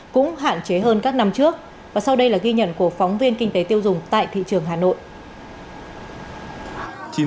cũng hạn chế hơn các năm trước và sau đây là ghi nhận của phóng viên kinh tế tiêu dùng tại thị trường hà nội